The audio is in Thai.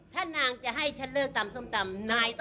ถ้านางจะให้ฉันเลิกตำส้มตำ